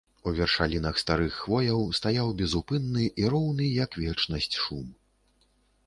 У вершалінах старых хвояў стаяў безупынны і роўны, як вечнасць, шум.